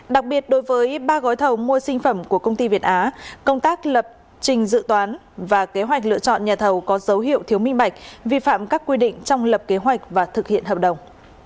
đặc biệt đối với ba gói thầu mua sinh phẩm của công ty việt á công tác lập trình dự toán và kế hoạch lựa chọn nhà thầu có dấu hiệu thiếu minh bạch vi phạm các quy định trong lập kế hoạch và thực hiện hợp đồng